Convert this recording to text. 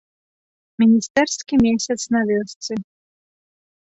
Міністэрскі месяц на вёсцы.